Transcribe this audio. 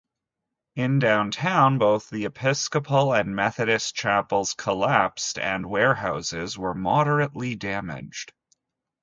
In downtown, both the Episcopal and Methodist chapels collapsed, and warehouses were moderately damaged.